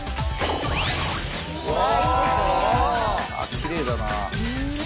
きれいだな。